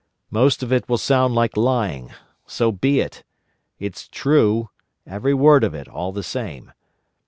Most of it will sound like lying. So be it! It's true—every word of it, all the same.